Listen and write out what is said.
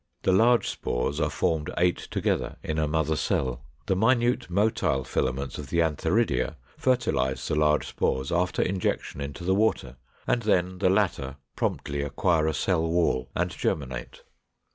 The large spores are formed eight together in a mother cell. The minute motile filaments of the antheridia fertilize the large spores after injection into the water: and then the latter promptly acquire a cell wall and germinate.